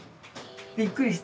びっくりした？